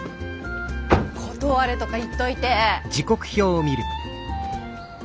断れとか言っといて。